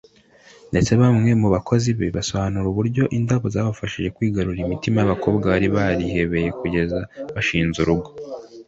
ndetse bamwe mu bakozi be basobanura uburyo indabo zabafashije kwigarurira imitima y’abakobwa bari barihebeye kugeza bashinze urugo